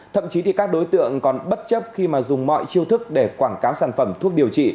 thậm chí thì các đối tượng còn bất chấp khi mà dùng mọi chiêu thức để quảng cáo sản phẩm thuốc điều trị